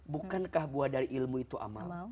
bukankah buah dari ilmu itu amal